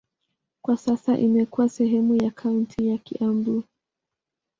Kwa sasa imekuwa sehemu ya kaunti ya Kiambu.